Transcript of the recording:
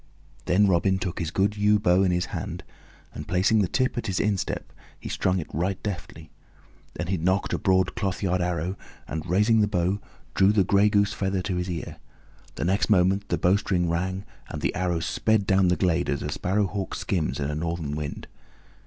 Then Robin took his good yew bow in his hand, and placing the tip at his instep, he strung it right deftly; then he nocked a broad clothyard arrow and, raising the bow, drew the gray goose feather to his ear; the next moment the bowstring rang and the arrow sped down the glade as a sparrowhawk skims in a northern wind.